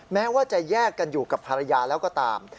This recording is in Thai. แม้ว่าจะแยกกันอยู่กับภรรยาแล้วก็ตาม